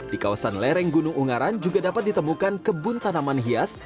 di kawasan lereng gunung ungaran juga dapat ditemukan kebun tanaman hias